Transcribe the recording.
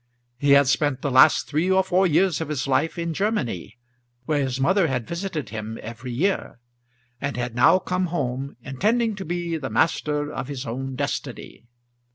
He had spent the last three or four years of his life in Germany, where his mother had visited him every year, and had now come home intending to be the master of his own destiny.